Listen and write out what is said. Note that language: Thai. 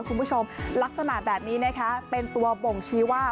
คุณผู้ชมลักษณะแบบนี้นะคะเป็นตัวบ่งชี้ว่า